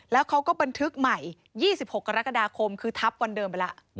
แล้วเขาก็บันทึกใหม่๒๖กรกฎาคมคือทับวันเดิมไปแล้ว